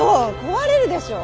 壊れるでしょ。